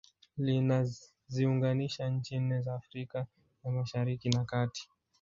Linaziunganisha nchi nne za Afrika ya Mashariki na Kati